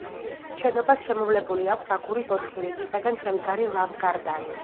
შენობას შემოვლებული აქვს აგურის ოთხი რიგისაგან შემდგარი ლავგარდანი.